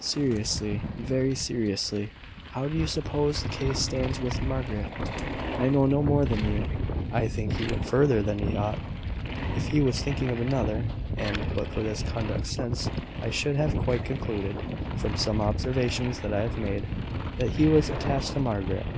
Seriously very seriously how do you suppose the case stands with Margaret?" "I know no more than you. I think he went further than he ought, if he was thinking of another; and, but for his conduct since, I should have quite concluded, from some observations that I made, that he was attached to Margaret."